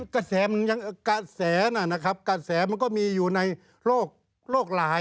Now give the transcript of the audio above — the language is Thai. กระแสนะมันก็มีอยู่ในโรคร้ายรกลูก